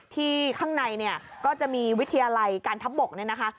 ที่ข้างในก็จะมีวิทยาลัยการทับบกนี่นะคะ